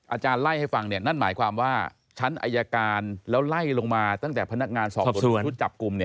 อาจารย์ไล่ให้ฟังนั่นหมายความว่าชั้นอายการแล้วไล่ลงมาตั้งแต่พนักงานสอบสวนชุดจับกลุ่ม